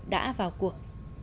đã vào cuộc